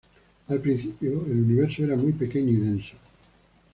Al principio, el universo era muy pequeño y denso.